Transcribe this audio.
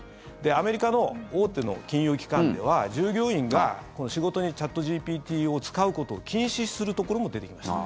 アメリカの大手の金融機関では従業員が仕事にチャットＧＰＴを使うことを禁止するところも出てきました。